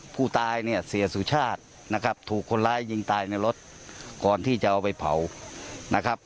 ผู้ตายเนี่ยเสียสุชาตินะครับถูกคนร้ายยิงตายในรถก่อนที่จะเอาไปเผานะครับ